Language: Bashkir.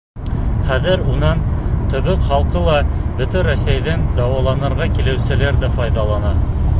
Хәҙер унан төбәк халҡы ла, бөтә Рәсәйҙән дауаланырға килеүселәр ҙә файҙалана.